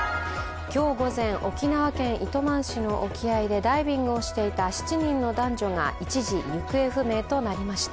今日午前、沖縄県糸満市の沖合でダイビングしていた７人の男女が一時、行方不明となりました。